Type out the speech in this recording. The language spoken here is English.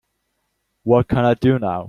what can I do now?